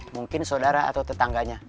mungkin saudara atau tetangganya